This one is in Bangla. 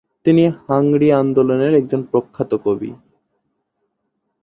তিনি হাংরি আন্দোলনের একজন প্রখ্যাত কবি।